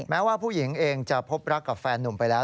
แม้ว่าผู้หญิงเองจะพบรักกับแฟนหนุ่มไปแล้ว